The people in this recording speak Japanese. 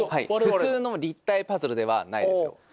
普通の立体パズルではないですよ。